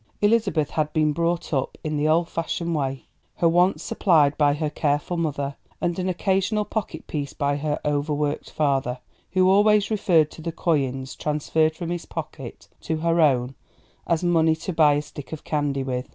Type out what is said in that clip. Elizabeth had been brought up in the old fashioned way, her wants supplied by her careful mother, and an occasional pocket piece by her overworked father, who always referred to the coins transferred from his pocket to her own as "money to buy a stick of candy with."